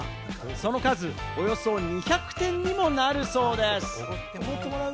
その数およそ２００点にもなるそうです。